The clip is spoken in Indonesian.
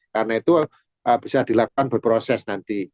karena itu bisa dilakukan berproses nanti